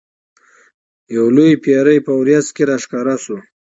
یو لوی پیری په وریځ کې را ښکاره شو.